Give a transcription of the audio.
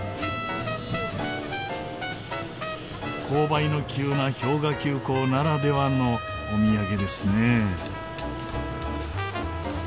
勾配の急な氷河急行ならではのお土産ですね。